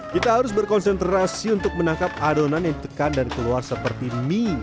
kita harus berkonsentrasi untuk menangkap adonan yang ditekan dan keluar seperti mie